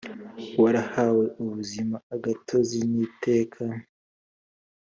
warahawe ubuzima gatozi n iteka